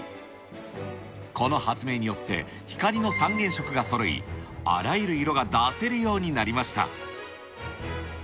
この発明によって、光の三原色がそろい、あらゆる色が出せるようになりました。